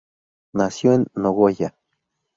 Nació en Nogoyá.